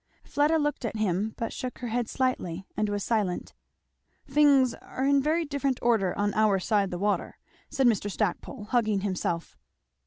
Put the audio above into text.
Fleda looked at him, but shook her head slightly and was silent. "Things are in very different order on our side the water," said Mr. Stackpole hugging himself.